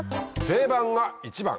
定番が一番。